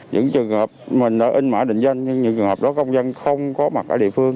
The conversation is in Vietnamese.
những trường hợp mình đã in mã định danh nhưng những trường hợp đó công dân không có mặt ở địa phương